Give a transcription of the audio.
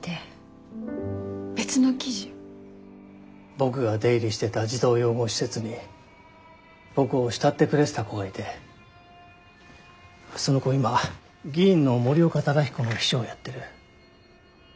僕が出入りしてた児童養護施設に僕を慕ってくれてた子がいてその子今議員の森岡忠彦の秘書をやってる。